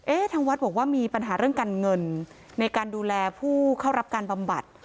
ทางวัดบอกว่ามีปัญหาเรื่องการเงินในการดูแลผู้เข้ารับการบำบัด